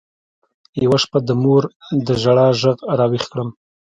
يوه شپه د مور د ژړا ږغ راويښ کړم.